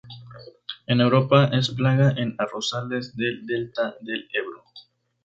En Europa es plaga en arrozales del delta del Ebro.